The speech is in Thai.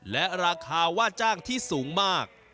และราคาว่าจ้างที่สูงมาก